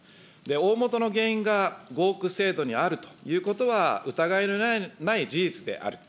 大本の原因が合区制度にあるということは、疑いのない事実である。